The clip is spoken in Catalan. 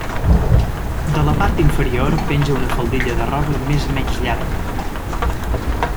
De la part inferior penja una faldilla de roba més menys llarga.